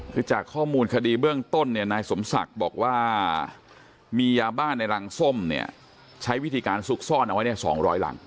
คือจากข้อมูลคดีเบื้องต้นเนี่ยนายสมศักดิ์บอกว่ามียาบ้านในรังส้มเนี่ยใช้วิธีการซุกซ่อนเอาไว้เนี่ย๒๐๐รัง